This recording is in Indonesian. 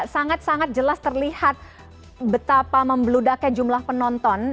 sangat sangat jelas terlihat betapa membeludaknya jumlah penonton